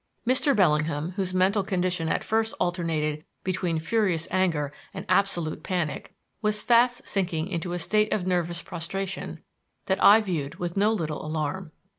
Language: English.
Mr. Bellingham, whose mental condition at first alternated between furious anger and absolute panic, was fast sinking into a state of nervous prostration that I viewed with no little alarm.